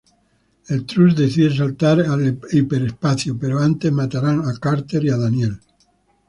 El Trust decide saltar al hiperespacio, pero antes mataran a Carter y Daniel.